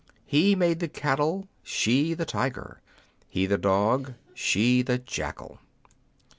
He made the cattle, she the tiger ; he the dog, she the jackal.